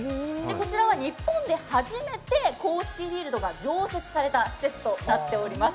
こちらは日本で初めて公式フィールドが常設された施設となっています。